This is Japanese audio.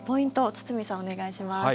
堤さん、お願いします。